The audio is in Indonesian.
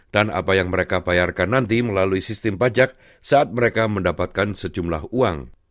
dan apa yang mereka bayarkan nanti melalui sistem pajak saat mereka mendapatkan sejumlah uang